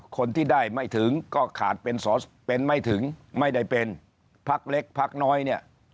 คนที่ได้ไม่ถึงก็ขาดเป็นสอสอเป็นไม่ถึงไม่ได้เป็นพักเล็กพักน้อยเนี่ย